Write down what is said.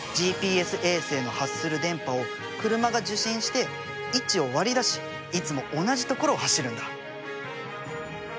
ＧＰＳ衛星の発する電波を車が受信して位置を割り出しいつも同じ所を走るんだ。